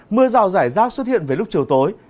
mưa rào rải rác xuất hiện với lúc chiều tối